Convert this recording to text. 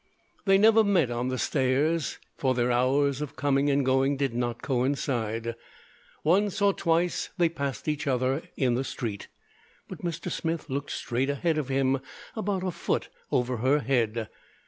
They never met on the stairs, for their hours of coming and going did not coincide. Once or twice they passed each other in the street but Mr. Smith looked straight ahead of him about a foot over her head.